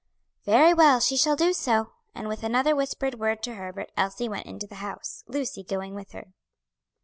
"Very well, she shall do so," and with another whispered word to Herbert, Elsie went into the house, Lucy going with her.